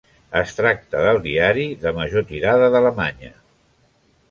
Es tracta del diari de major tirada d'Alemanya.